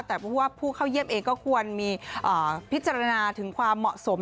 แต่ผู้ว่าผู้เข้าเยี่ยมเองก็ควรมีพิจารณาถึงความเหมาะสม